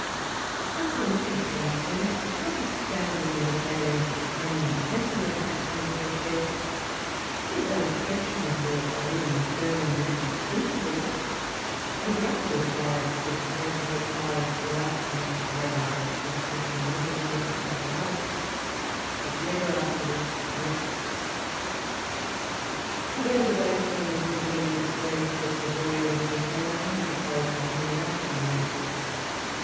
As for Mrs. Johnson, withstanding the failings of training and temperament h fell to her share, she was unquestionably a woman of religious principle, and the upward bias which she gave jr child's life in twilight whispers in a little room at the )f the house was never afterwards lost Whatever devo the good woman displayed towards her boy was repaid ndredfold by him in after years.